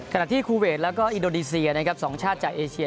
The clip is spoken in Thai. ขณะที่คูเวชและอินโดดิเซีย